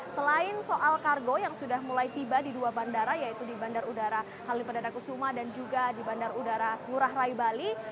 selain soal kargo yang sudah mulai tiba di dua bandara yaitu di bandar udara halim perdana kusuma dan juga di bandar udara ngurah rai bali